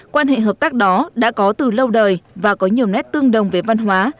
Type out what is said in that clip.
quan hệ hợp tác đó đã có từ lâu đời và có nhiều nét tương đồng với văn hóa